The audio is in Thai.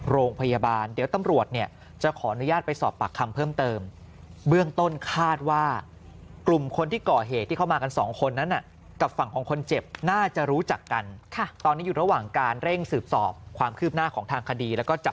โรงพยาบาลเดี๋ยวตำรวจเนี่ยจะขออนุญาตไปสอบปากคำ